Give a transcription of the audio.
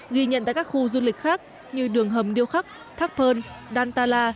ghi nhận tại các khu du lịch khác như đường hầm điêu khắc thác pơn đan ta la